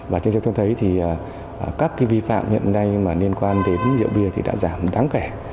và như chúng ta thấy thì các cái vi phạm hiện nay mà liên quan đến rượu bia thì đã giảm đáng kẻ